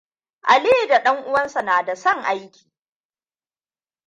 Aliyu uwanta na da son aiki sosai.